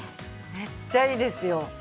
めっちゃいいですよ。